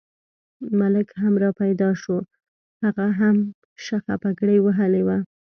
ملک هم را پیدا شو، هغه هم شخه پګړۍ وهلې وه.